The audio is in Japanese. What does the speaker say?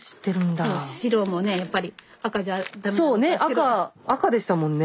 赤赤でしたもんね。